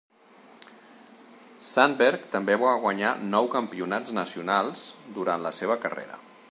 Sandberg també va guanyar nou campionats nacionals durant la seva carrera.